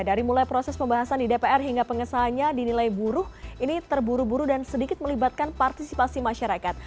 dari mulai proses pembahasan di dpr hingga pengesahannya dinilai buruh ini terburu buru dan sedikit melibatkan partisipasi masyarakat